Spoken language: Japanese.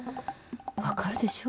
分かるでしょ？